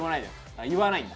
あっ言わないんだ？